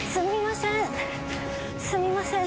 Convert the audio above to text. すみません。